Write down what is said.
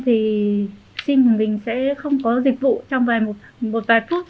thì sim của mình sẽ không có dịch vụ trong một vài phút